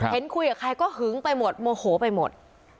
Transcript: คุยกับใครก็หึงไปหมดโมโหไปหมด